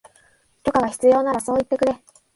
許可が必要ならそう言ってくれ